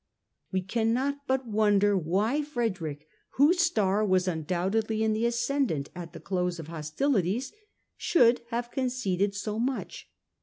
We cannot but wonder why Frederick, whose star was undoubtedly in the ascendant at the close of hostili ties, should have conceded so much.